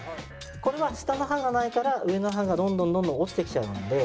これは下の歯がないから上の歯がどんどんどんどん落ちてきちゃうので。